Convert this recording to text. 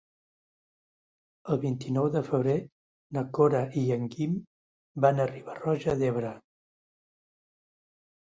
El vint-i-nou de febrer na Cora i en Guim van a Riba-roja d'Ebre.